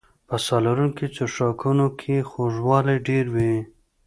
په ساه لرونکو څښاکونو کې خوږوالی ډېر وي.